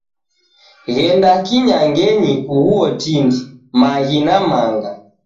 Ghenda kinyangenyi kughuo tindi, maghi na manga